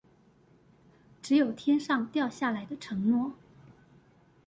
只有天上掉下來的承諾